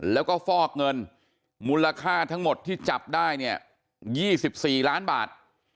แล้วก็ฟอกเงินมูลค่าทั้งหมดที่จับได้เนี่ย๒๔ล้านบาท